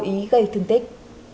cô ý gây thương tích